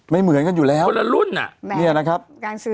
ไม่เหมือนกันอยู่แล้วคนละรุ่นอ่ะเนี่ยนะครับ